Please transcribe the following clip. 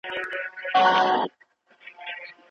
د انترنيټ کارول د علم پراختیایي بهیر سره مرسته کوي.